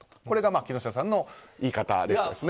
これが木下さんの言い方でした。